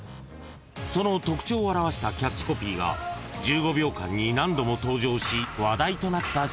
［その特徴を表したキャッチコピーが１５秒間に何度も登場し話題となったＣＭがこちら］